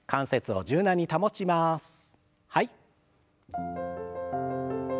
はい。